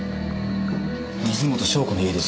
水元湘子の家ですよこれ。